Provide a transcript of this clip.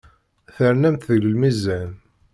Ternamt deg lmizan.